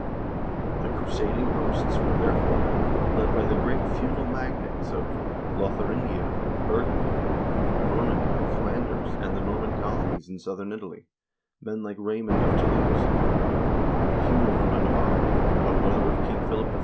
The crusading hosts were, therefore, led by the great feudal magnates of Lotharingia, Burgundy, Normandy, Flanders, and the Norman colonies in southern Italy ; men like Raymond of Toulouse, Hugh of Vermandois, a brother of King Philip I.